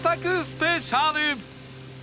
スペシャル